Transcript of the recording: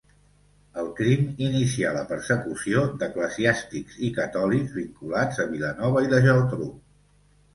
El crim inicià la persecució d'eclesiàstics i catòlics vinculats a Vilanova i la Geltrú.